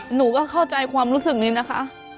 หนูก็เข้าใจความรู้สึกนี้นะคะ